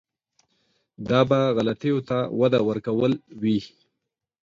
دا به غلطیو ته وده ورکول وي.